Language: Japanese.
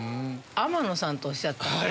天野さんっておっしゃった？